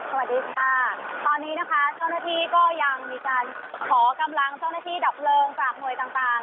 สวัสดีค่ะตอนนี้นะคะเจ้าหน้าที่ก็ยังมีการขอกำลังเจ้าหน้าที่ดับเพลิงจากหน่วยต่างต่าง